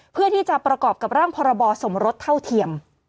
เพื่อที่จะประกอบกับร่างพรบสมรสเท่าเทียม